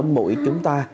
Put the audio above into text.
mỗi chúng ta